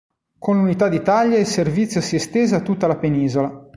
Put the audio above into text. Con l'unità d'Italia il servizio si estese a tutta la penisola.